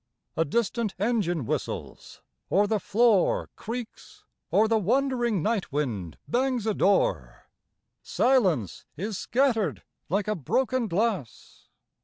A distant engine whistles, or the floor Creaks, or the wandering night wind bangs a door. Silence is scattered like a broken glass.